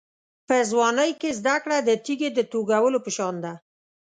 په ځوانۍ کې زده کړه د تېږې د توږلو په شان ده.